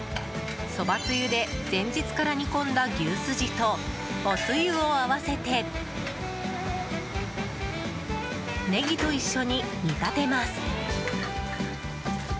そばつゆで前日から煮込んだ牛すじと、おつゆを合わせてネギと一緒に煮立てます。